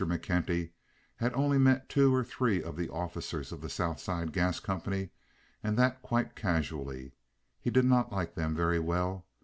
McKenty had only met two or three of the officers of the South Side Gas Company, and that quite casually. He did not like them very well.